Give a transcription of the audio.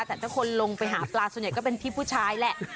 แต่ถ้าคนลงไปหาปลาส่วนใหญ่ก็เป็นพี่ผู้ชายแหละ